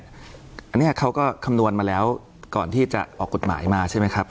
อันนี้เขาก็คำนวณมาแล้วก่อนที่จะออกกฎหมายมาใช่ไหมครับ